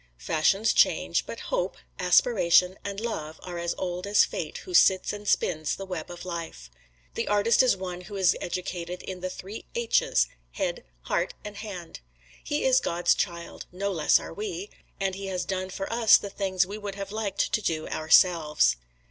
Fashions change, but hope, aspiration and love are as old as Fate who sits and spins the web of life. The Artist is one who is educated in the three H's head heart and hand. He is God's child no less are we and he has done for us the things we would have liked to do ourselves.